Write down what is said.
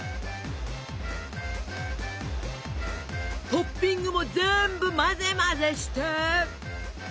トッピングも全部混ぜ混ぜして！